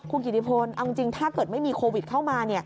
คุณกิติพลเอาจริงถ้าเกิดไม่มีโควิดเข้ามา